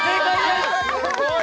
すごい！